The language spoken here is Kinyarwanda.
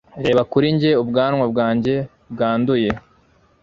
Reba kuri njye ubwanwa bwanjye bwanduye